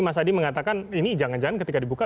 mas adi mengatakan ini jangan jangan ketika dibuka